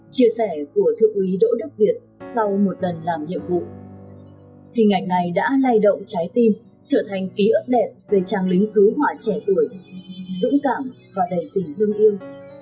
chia sẻ của thượng úy đỗ đức việt sau một lần làm nhiệm vụ hình ảnh này đã lay động trái tim trở thành ký ức đẹp về trang lính cứu hỏa trẻ tuổi dũng cảm và đầy tình thương yêu